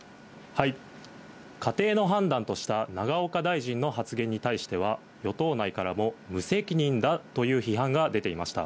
家庭の判断とした永岡大臣の発言に対しては、与党内からも無責任だという批判が出ていました。